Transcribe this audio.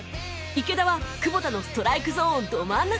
池田は久保田のストライクゾーンど真ん中